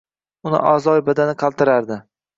Uni a’zoi badani qaltirardi